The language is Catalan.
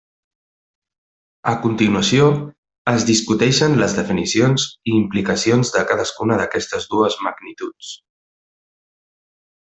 A continuació, es discuteixen les definicions i implicacions de cadascuna d'aquestes dues magnituds.